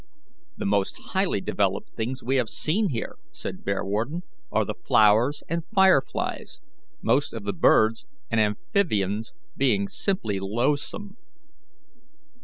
"The most highly developed things we have seen here," said Bearwarden, "are the flowers and fireflies, most of the birds and amphibians being simply loathsome."